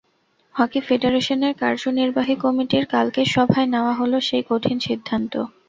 Hockey ফেডারেশনের কার্যনির্বাহী কমিটির কালকের সভায় নেওয়া হলো সেই কঠিন সিদ্ধান্ত।